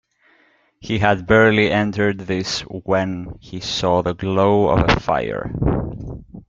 He had barely entered this when he saw the glow of a fire.